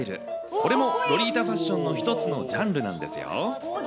これもロリータファッションの一つのジャンルなんですよ。